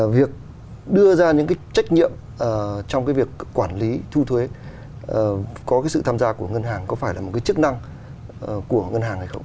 việc đưa ra những cái trách nhiệm trong cái việc quản lý thu thuế có cái sự tham gia của ngân hàng có phải là một cái chức năng của ngân hàng hay không